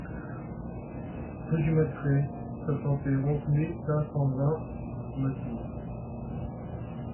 Rue du Matray, soixante et onze mille cinq cent vingt Matour